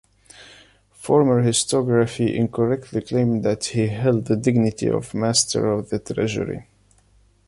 Former historiography incorrectly claimed that he held the dignity of Master of the treasury.